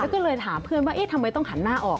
แล้วก็เลยถามเพื่อนว่าเอ๊ะทำไมต้องหันหน้าออก